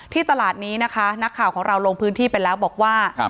ตลาดนี้นะคะนักข่าวของเราลงพื้นที่ไปแล้วบอกว่า